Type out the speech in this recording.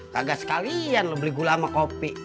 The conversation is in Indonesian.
kagak sekalian loh beli gula sama kopi